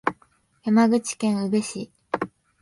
山口県宇部市